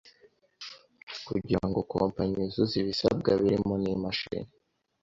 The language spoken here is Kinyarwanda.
kugire ngo Kompenyi yuzuze ibisebwe birimo n’imeshini,